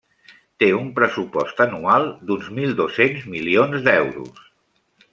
Té un pressupost anual d'uns mil dos-cents milions d'euros.